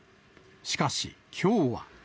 しかし、きょうは。